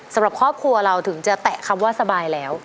สำหรับครอบครัวเราถึงจะแตะคำว่าสบายแล้ว